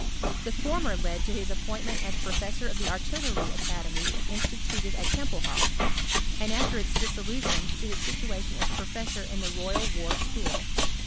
The fonner led to his appdintment at professsor of the Artillery Academy instituted at Tempelhoff ; and, after its dis ^ soiutioa, to his situation as professor in the Royal War School.